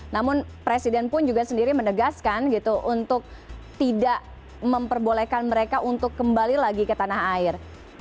namun presiden pun juga sendiri menegaskan gitu untuk tidak memperbolehkan mereka untuk kembali lagi ke tanah air